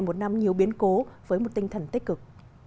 một năm nhiều biến cố với một tinh thần tích cực